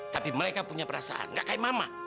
tapi mereka punya perasaan gak kayak mama